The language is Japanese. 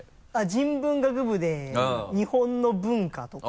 人文学部で日本の文化とか。